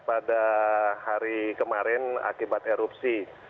pada hari kemarin akibat erupsi